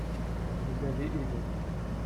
vous avez aimé.